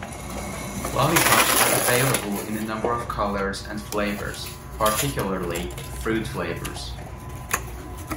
Lollipops are available in a number of colors and flavors, particularly fruit flavors.